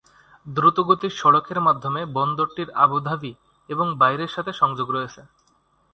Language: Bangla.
দ্রুতগতির সড়কের মাধ্যমে বন্দরটির আবু ধাবি এবং বাইরের সাথে সংযোগ রয়েছে।